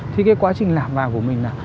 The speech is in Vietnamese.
thì cái quá trình lạc vào của mình là